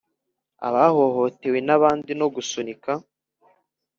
abahohotewe nabandi no gusunika